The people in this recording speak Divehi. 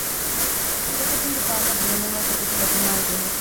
ކުޑަކުދިންގެ ޕާކަށް ބޭނުންވާ ތަކެތި ގަތުމާއި ބެހޭ